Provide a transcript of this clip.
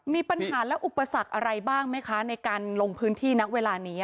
มีปัญหาและอุปสรรคอะไรบ้างไหมคะในการลงพื้นที่ณเวลานี้